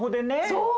そう。